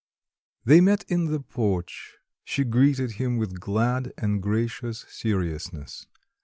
They met in the porch; she greeted him with glad and gracious seriousness.